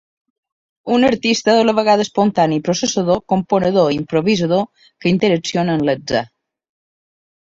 Un artista a la vegada espontani i processador, componedor i improvisador, que interacciona amb l'atzar.